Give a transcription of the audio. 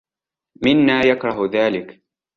منّا يكره ذلك.